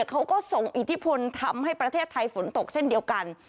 เขาก็ส่งอิทธิพลทำให้ประเทศไทยฝนตกเช่นเดียวกัน